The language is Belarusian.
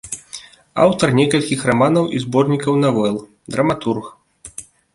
Аўтар некалькіх раманаў і зборнікаў навел, драматург.